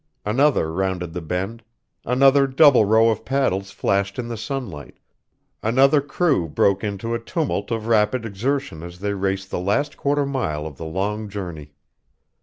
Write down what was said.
Another rounded the bend, another double row of paddles flashed in the sunlight, another crew, broke into a tumult of rapid exertion as they raced the last quarter mile of the long journey.